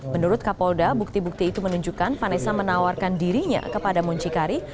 menurut kapolda bukti bukti itu menunjukkan vanessa menawarkan dirinya kepada muncikari